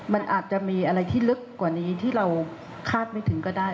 มันอาจจะมีอะไรที่ลึกกว่านี้ที่เราคาดไม่ถึงก็ได้